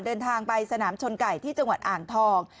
เดินทางไปสนามชนไก่ที่จังหวัดอ่างทอง